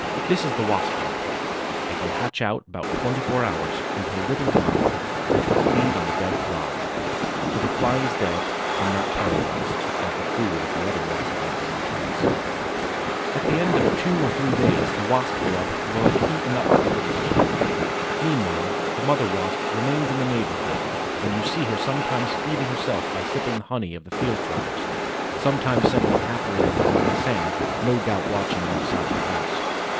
This is the Wasp's egg. It will hatch out in about twenty four hours, into a little worm, which will feed on the dead Fly. For the Fly is dead, and not paralyzed, as the food of other Wasp babies often is. At the end of two or three days the Wasp grub will have eaten up the little Fly. Meanwhile the mother Wasp remains in the neighborhood and you see her sometimes feeding herself by sipping the honey of the field flowers, sometimes settling happily on the burning sand, no doubt watching the outside of the house.